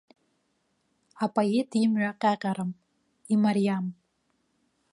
Апоет имҩа ҟьаҟьарам, имариам.